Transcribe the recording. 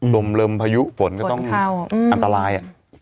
ลมเริ่มพายุฝนก็ต้องอันตราย